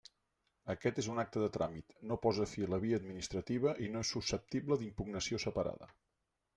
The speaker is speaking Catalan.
Aquest és un acte de tràmit, no posa fi a la via administrativa i no és susceptible d'impugnació separada.